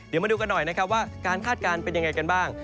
เดี๋ยวมาดูกันหน่อยนะครับว่าการคาดการณ์เป็นยังไงกันบ้าง